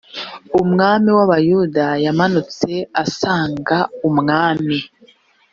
umwami w abayuda yamanutse asanga umwami